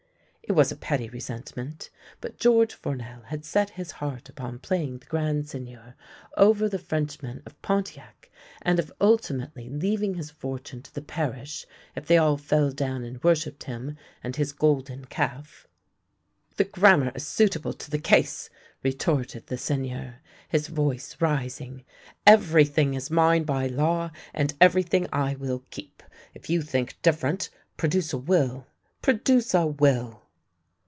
It was a petty resentment, but George Fournel had set his heart upon playing the grand seigneur over the Frenchmen of Pontiac, and of ultimately leaving his fortune to the parish, if they all fell down and worshipped him and his " golden calf." " The grammar is suitable to the case/' retorted the Seigneur, his voice rising. " Everything is mine by law, and everything I will keep. If you think different, produce a will! produce a will!